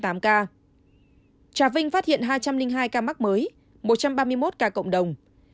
trà vinh phát hiện hai trăm linh hai ca mắc mới một trăm ba mươi một ca cộng đồng